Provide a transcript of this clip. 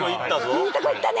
いいとこいったね！